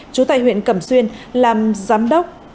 trú tại huyện cẩm xuyên làm giám đốc